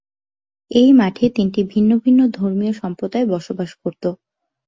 এই মঠে তিনটি ভিন্ন ভিন্ন ধর্মীয় সম্প্রদায় বসবাস করত।